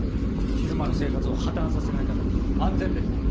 昼間の生活を破綻させないためのね安全弁なんだ。